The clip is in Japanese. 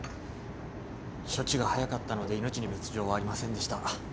処置が早かったので命に別条はありませんでした。